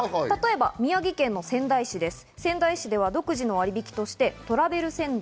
例えば宮城県の仙台市です。